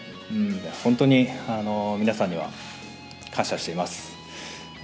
本当に皆さんには感謝しています。